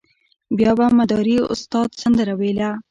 بیا به مداري استاد سندره ویله.